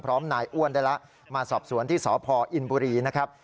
นายอ้วนได้แล้วมาสอบสวนที่สพอินบุรีนะครับ